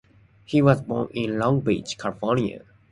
He was born in Long Beach, California.